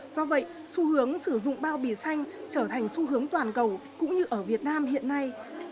do vậy xu hướng sử dụng bao bì xanh trở thành xu hướng toàn cầu cũng như ở việt nam hiện nay